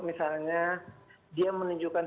misalnya dia menunjukkan